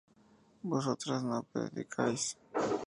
vosotras no predicáis